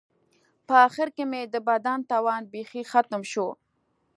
په آخر کې مې د بدن توان بیخي ختم شو.